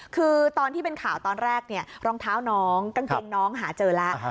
คือตอนที่เป็นข่าวตอนแรกเนี่ยรองเท้าน้องกางเกงน้องหาเจอแล้ว